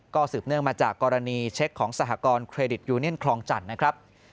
ก็สืบเนื่องมาจากกรณีเช็คของสหกรณเครดิตยูเนียนคลองจันทร์นะครับ